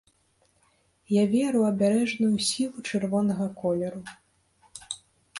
Я веру ў абярэжную сілу чырвонага колеру.